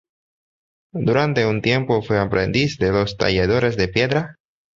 Durante un tiempo fue aprendiz de los talladores de piedra.